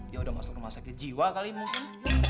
dia udah masuk rumah sakit jiwa kali mungkin